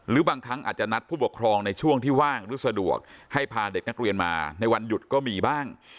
บางครั้งอาจจะนัดผู้ปกครองในช่วงที่ว่างหรือสะดวกให้พาเด็กนักเรียนมาในวันหยุดก็มีบ้าง